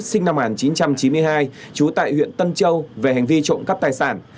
sinh năm một nghìn chín trăm chín mươi hai trú tại huyện tân châu về hành vi trộm cắp tài sản